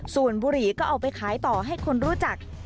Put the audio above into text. ส่วนบุหรี่ก็เอาไปขายต่อให้คนรู้จัก